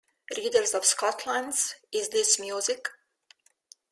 Readers of Scotland's Is this music?